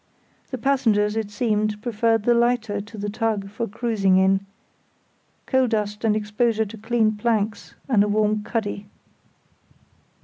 The passengers, it seemed, preferred the lighter to the tug for cruising in; coal dust and exposure to clean planks and a warm cuddy.